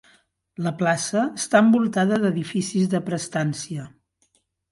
La plaça està envoltada d'edificis de prestància.